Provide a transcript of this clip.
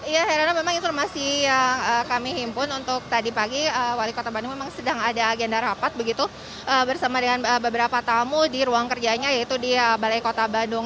ya herano memang informasi yang kami himpun untuk tadi pagi wali kota bandung memang sedang ada agenda rapat begitu bersama dengan beberapa tamu di ruang kerjanya yaitu di balai kota bandung